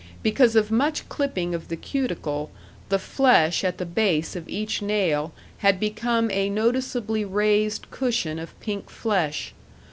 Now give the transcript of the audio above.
Because of much clipping of the cuticle, the flesh at the base of each nail had become a noticeably raised cushion of pink flesh.